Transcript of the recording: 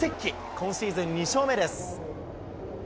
今シーズン２勝目です。